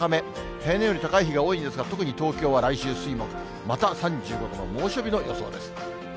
平年より高い日が多いんですが、特に東京は来週水、木、また３５度の猛暑日の予想です。